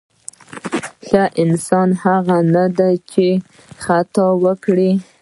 ښه انسان هغه نه دی چې خطا نه کوي.